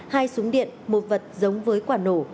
hai súng điện một vật giống với quả nổ